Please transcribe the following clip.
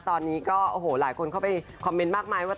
ตอนนี้ก็โอ้โหหลายคนเข้าไปคอมเมนต์มากมายว่า